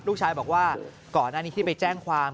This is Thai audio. ลูกชายบอกว่าก่อนอันนี้ที่ไปแจ้งความ